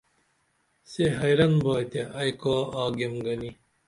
سے حیرن با تے ائی کا آگیم گنی